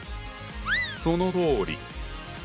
そのとおり！